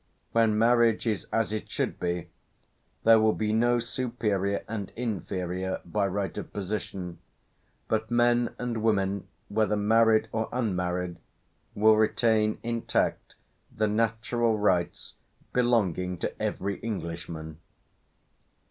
When marriage is as it should be, there will be no superior and inferior by right of position; but men and women, whether married or unmarried, will retain intact the natural rights "belonging to every Englishman."